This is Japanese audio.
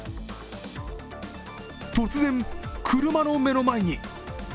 突然、車の目の前に。